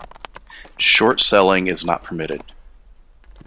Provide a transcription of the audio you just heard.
Short selling is not permitted.